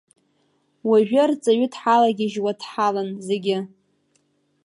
Уажәы арҵаҩы дҳалагьежьуа дҳалан зегьы.